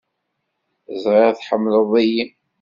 Ẓriɣ tḥemmleḍ-iyi.